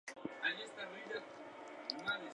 Se encuentra al norte de Malasia y el río Mekong.